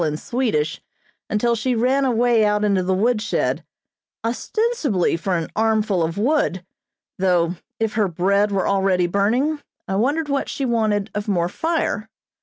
in Swedish until she ran away out into the woodshed, ostensibly for an armful of wood; though if her bread were already burning I wondered what she wanted of more fire.